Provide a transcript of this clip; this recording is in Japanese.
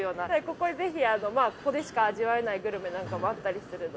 ここでぜひここでしか味わえないグルメなんかもあったりするので。